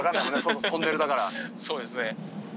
そうですね。